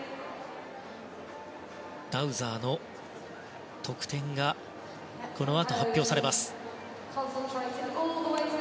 ダウザーの得点がこのあと発表されます。